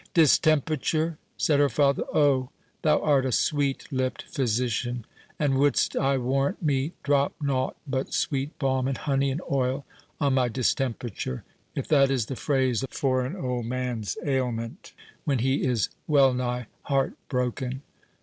"Distemperature!" said her father; "Oh, thou art a sweet lipped physician, and wouldst, I warrant me, drop nought but sweet balm, and honey, and oil, on my distemperature—if that is the phrase for an old man's ailment, when he is wellnigh heart broken.